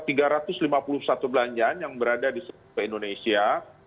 ada tiga ratus lima puluh satu belanjaan yang berada di seluruh indonesia